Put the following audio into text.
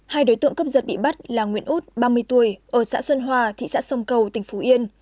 hai đối tượng cấp giật bị bắt là nguyễn út ba mươi tuổi ở xã xuân hòa thị xã sông cầu tỉnh phú yên